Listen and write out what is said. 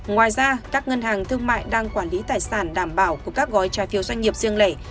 ngoài ra các ngân hàng thương mại đang quản lý tài sản đảm bảo của các gói trái phiếu doanh nghiệp riêng lẻ